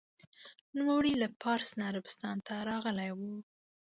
نوموړی له پارس نه عربستان ته راغلی و.